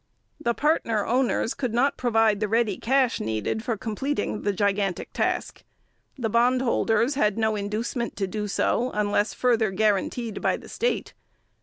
The partner owners could not provide the ready cash needed for completing the gigantic task. The bondholders had no inducement to do so unless further guaranteed by the state.